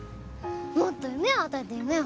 もっと夢を与えて夢を！